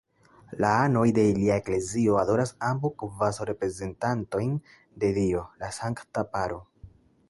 La anoj de ilia eklezio adoras ambaŭ kvazaŭ reprezentantojn de Dio: la Sankta Paro.